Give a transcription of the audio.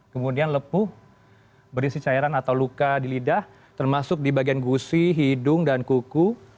kemudian lepuh berisi cairan atau luka di lidah termasuk di bagian gusi hidung dan kuku